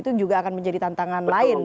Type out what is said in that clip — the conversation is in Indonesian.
itu juga akan menjadi tantangan lain